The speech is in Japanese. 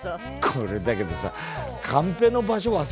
これだけどさカンペの場所忘れちゃうよね。